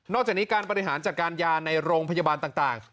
จากนี้การบริหารจัดการยาในโรงพยาบาลต่าง